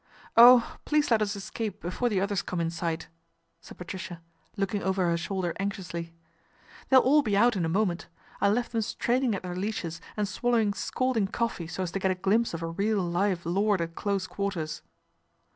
" Oh ! please let us escape before the others come in sight/' said Patricia, looking over her shoulder anxiously. " They'll all be out in a moment. I left them straining at their leashes and swallowing scalding coffee so as to get a glimpse of a real, li ve lord at close quarters."